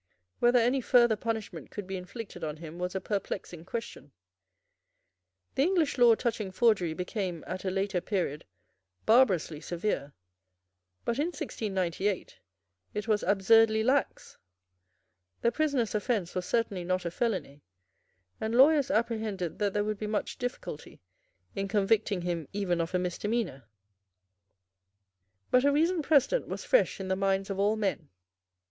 Whether any further punishment could be inflicted on him was a perplexing question. The English law touching forgery became, at a later period, barbarously severe; but, in 1698, it was absurdly lax. The prisoner's offence was certainly not a felony; and lawyers apprehended that there would be much difficulty in convicting him even of a misdemeanour. But a recent precedent was fresh in the minds of all men.